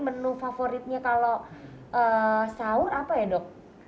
menu favoritnya kalau sahur apa ya dok